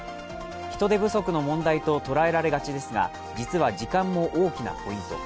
人手不足の問題と捉えられがちですが実は時間も大きなポイント。